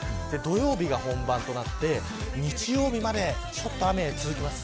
土曜日が本番となって日曜日までちょっと雨が続きます。